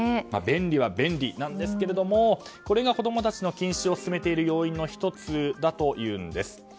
便利は便利なんですがこれが子供たちの近視を進めている要因の１つだというんです。